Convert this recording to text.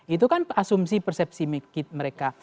itu kan asumsi persepsi kit mereka